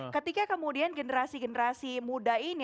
ketika kemudian generasi generasi muda ini